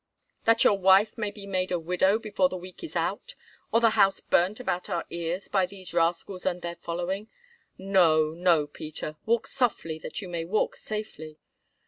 "That your wife may be made a widow before the week is out, or the house burnt about our ears by these rascals and their following? No, no, Peter; walk softly that you may walk safely.